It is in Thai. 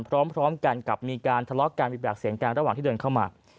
พร้อมกันกับมีการทะเลาะกันมีปากเสียงกันระหว่างที่เดินเข้ามา